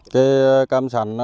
cây cam sành